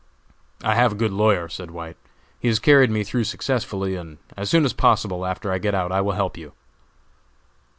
"I have a good lawyer," said White, "he has carried me through successfully, and as soon as possible after I get out I will help you."